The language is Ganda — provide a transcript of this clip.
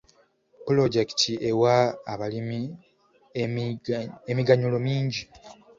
Pulojekiti ewa abalimi emiganyulo mingi.